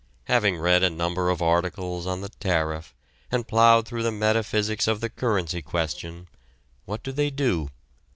Having read a number of articles on the tariff and ploughed through the metaphysics of the currency question, what do they do?